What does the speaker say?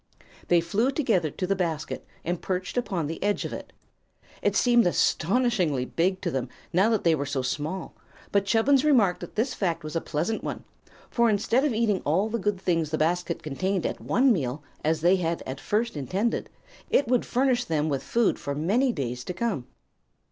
They flew together to the basket and perched upon the edge of it. It seemed astonishingly big to them, now that they were so small; but Chubbins remarked that this fact was a pleasant one, for instead of eating all the good things the basket contained at one meal, as they had at first intended, it would furnish them with food for many days to come.